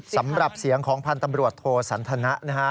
สำหรับเสียงของพันธ์ตำรวจโทสันทนะนะฮะ